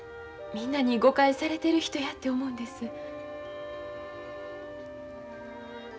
みんなに誤解されてる人やて思うんです。